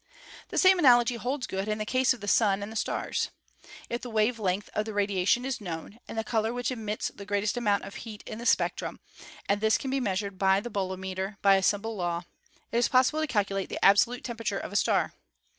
The same analogy holds good in the case of the Sun and the stars. If the wave length of the radiation is known, and the color which emits the greatest amount of heat in the spectrum — and this can be measured by the bolometer by a simple law — it is possible to calculate the absolute temperature of a star.